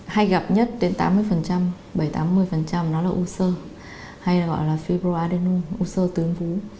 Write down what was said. hay gặp nhất đến tám mươi bảy mươi tám mươi nó là u sơ hay gọi là fibroadenum u sơ tướng vú